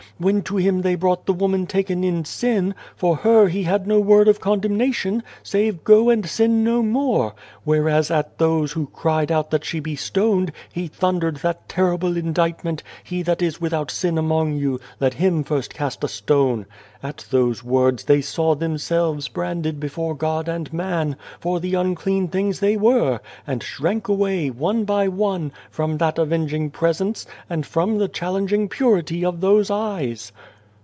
When to Him they brought the woman taken in sin, for her had He no word of con demnation, save ' Go and sin no more !' whereas at those who cried out that she be stoned, He thundered that terrible indictment, ( He that is without sin among you, let him first cast a stone.' At those words they saw themselves branded before God and man, for the unclean things they were ; and shrank away, one by one, from that avenging presence, and from the challenging purity of those eyes.